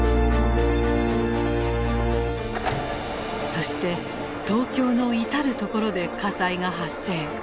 そして東京の至る所で火災が発生。